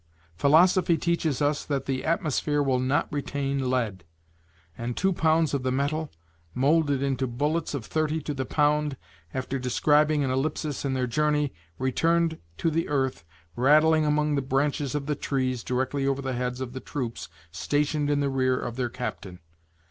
Philosophy teaches us that the atmosphere will not retain lead; and two pounds of the metal, moulded into bullets of thirty to the pound, after describing an ellipsis in their journey, returned to the earth rattling among the branches of the trees directly over the heads of the troops stationed in the rear of their captain.